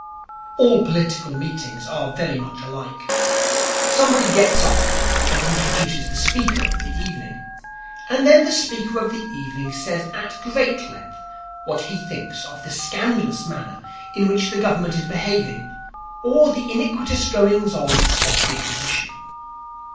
All political meetings are very much alike. Somebody gets up and introduces the speaker of the evening, and then the speaker of the evening says at great length what he thinks of the scandalous manner in which the Government is behaving or the iniquitous goings on of the Opposition.